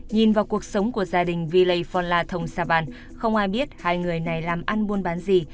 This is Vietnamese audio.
nhìn vào cuộc sống của gia đình villei phonla thong savan không ai biết hai người này làm ăn buôn bán gì